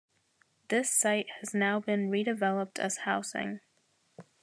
This site has now been re-developed as housing.